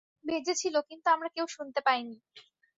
বেজেছিল, কিন্তু আমরা কেউ শুনতে পাইনি।